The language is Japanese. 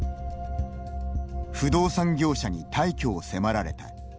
「不動産業者に退去を迫られた」